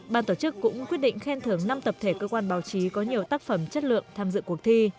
ban tổ chức cũng quyết định khen thưởng năm tập thể cơ quan báo chí có nhiều tác phẩm chất lượng tham dự cuộc thi